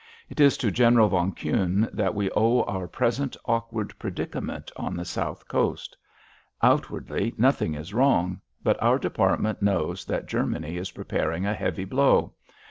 It is to General von Kuhne that we owe our present awkward predicament on the South Coast. Outwardly nothing is wrong, but our department knows that Germany is preparing a heavy blow.